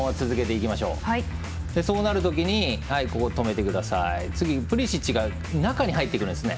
そうなるときに次、ペリシッチが中に入ってくるんですね。